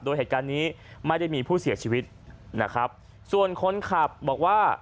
โดยเหตุการณ์นี้ไม่ได้มีผู้เสียชีวิตนะครับส่วนคนขับบอกว่า